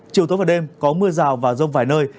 chiều tối và đêm có mưa rào và rông vài nơi